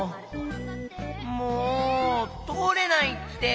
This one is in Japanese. もうとおれないって！